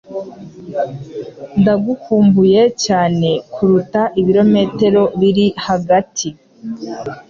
Ndagukumbuye cyane kuruta ibirometero biri hagati